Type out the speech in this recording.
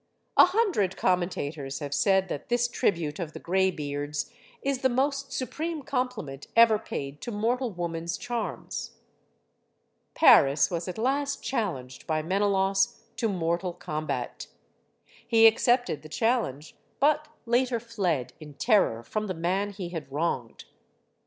A hundred commentators have said that this tribute of the graybeards is the most supreme compliment ever paid to mortal woman's charms. Paris was at last challenged by Menelaus to mortal combat. He accepted the challenge, but later fled, in terror, from the man he had wronged.